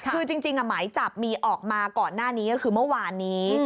คือจริงหมายจับมีออกมาก่อนหน้านี้ก็คือเมื่อวานนี้